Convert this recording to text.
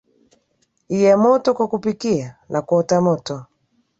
i ya moto kwa kupikia na kuota moto